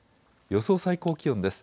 予想最高気温です。